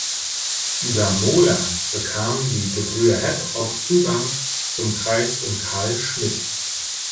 Über Mohler bekamen die Gebrüder Hepp auch Zugang zum Kreis um Carl Schmitt.